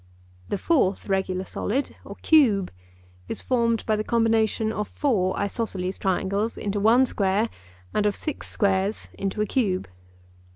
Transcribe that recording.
The fourth regular solid, or cube, is formed by the combination of four isosceles triangles into one square and of six squares into a cube.